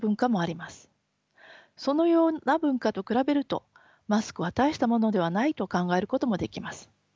そのような文化と比べるとマスクは大したものではないと考えることもできます。